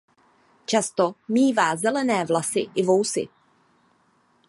Často mívá zelené vlasy i vousy.